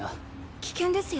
危険ですよ。